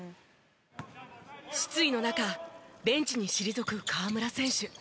失意の中ベンチに退く河村選手。